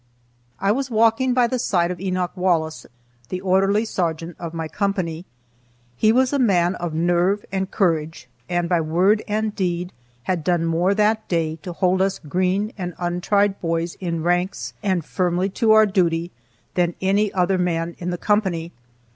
I was walking by the side of Enoch Wallace, the orderly sergeant of my company. He was a man of nerve and courage, and by word and deed had done more that day to hold us green and untried boys in ranks and firmly to our duty than any other man in the company.